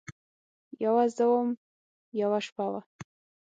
یوه زه وم، یوه شپه وه